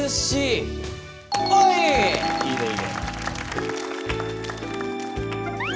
いいねいいね。